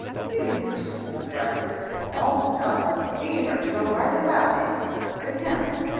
"These aint for school dresses." "O no; these are to go ridin' about in, with him."